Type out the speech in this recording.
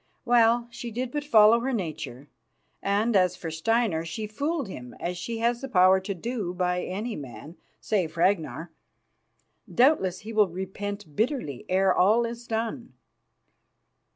Well, she did but follow her nature; and as for Steinar, she fooled him as she has the power to do by any man, save Ragnar. Doubtless he will repent bitterly ere all is done.